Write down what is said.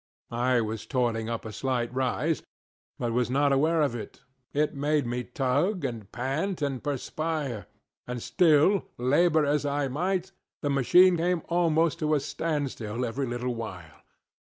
I was toiling up a slight rise, but was not aware of it. It made me tug and pant and perspire; and still, labor as I might, the machine came almost to a standstill every little while.